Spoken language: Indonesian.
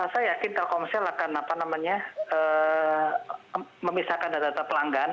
saya yakin telkomsel akan memisahkan data data pelanggan